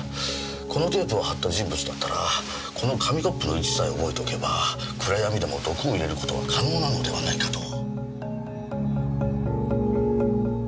このテープを張った人物だったらこの紙コップの位置さえ覚えておけば暗闇でも毒を入れることは可能なのではないかと。